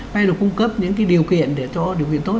hay là cung cấp những điều kiện để cho điều kiện tốt